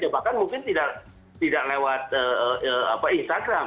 bahkan mungkin tidak lewat instagram